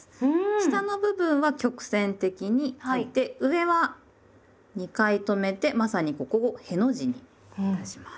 下の部分は曲線的に書いて上は２回止めてまさにここを「への字」にいたします。